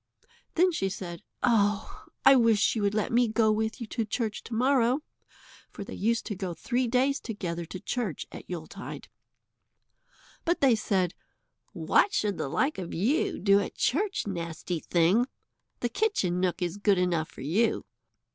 Then she said: "Oh! I wish you would let me go with you to the church to morrow," for they used to go three days together to church at Yuletide. But they said: "What should the like of you do at church, nasty thing? The kitchen nook is good enough for you."